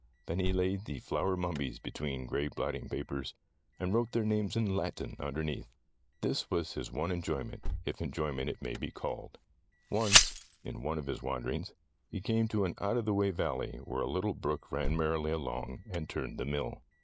Then he laid the flower mummies between gray blotting papers, and wrote their names in Latin underneath, and this was his one enjoyment, if enjoy ment it may be called. Once, in one of his wanderings, he came to an out of the way valley, where a little brook ran merrily along and turned the mill.